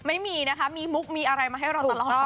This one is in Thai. ไม่มีนะคะมีมุกมีอะไรมาให้เราตลอด